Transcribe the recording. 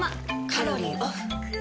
カロリーオフ。